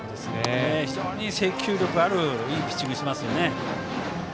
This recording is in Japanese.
非常に制球力のあるいいピッチングをしますね。